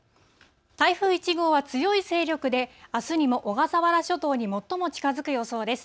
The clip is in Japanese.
台風１号は強い勢力で、あすにも小笠原諸島に最も近づく予想です。